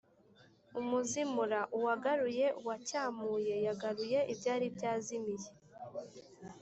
Umuzimura: uwagaruye, uwacyamuye, yagaruye ibyari byazimiye.